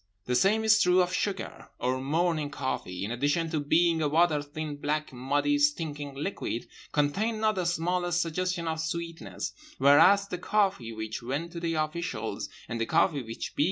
The same is true of sugar: our morning coffee, in addition to being a water thin, black, muddy, stinking liquid, contained not the smallest suggestion of sweetness, whereas the coffee which went to the officials—and the coffee which B.